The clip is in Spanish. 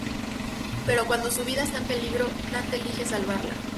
Pero cuando su vida está en peligro, Dante elige salvarla.